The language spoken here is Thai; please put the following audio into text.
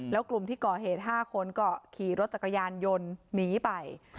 แล้วกลุ่มที่ก่อเหตุ๕คนก็ขี่รถจักรยานยนต์หนีไป